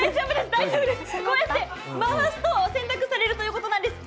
大丈夫です、こうやって回すと洗濯されるということです。